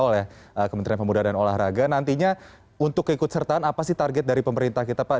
oleh kementerian pemuda dan olahraga nantinya untuk keikut sertaan apa sih target dari pemerintah kita pak